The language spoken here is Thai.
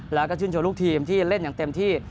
แล้วก็ชื่นชมลูกทีมที่เล่นอย่างเต็มที่